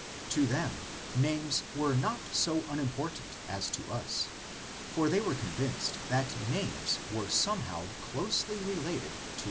To them names were not so unimportant as to us, for they were convinced that names were somehow closely related to the ' Cp.